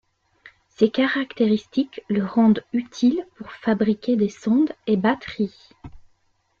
Ces caractéristiques le rendent utile pour fabriquer des sondes et batteries.